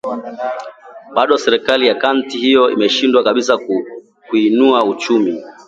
bado serikali ya kaunti hiyo imeshindwa kabisa kuinua uchumi